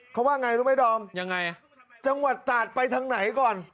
เขาว่าไงรู้ไหมดอมยังไงจังหวัดตาดไปทางไหนก่อน